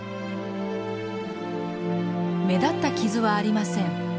目立った傷はありません。